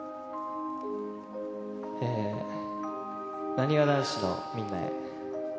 なにわ男子のみんなへ。